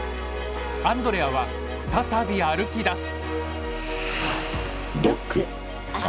アンドレアは再び歩きだす。